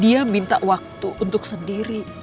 dia minta waktu untuk sendiri